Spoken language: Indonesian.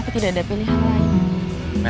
tapi tidak ada pilihan lain